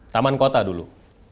taman kota dulu